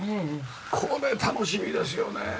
これ楽しみですよね。